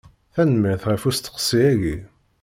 Tanemmirt ɣef usteqsi-agi.